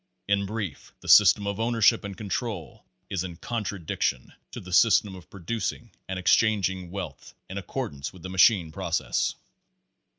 In brief, the system of ownership and control is in contradiction to the system of producing and exchanging wealth in accordance with the machine process.